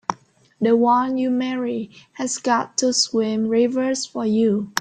The one you marry has got to swim rivers for you!